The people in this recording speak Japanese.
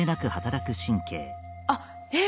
あっえっ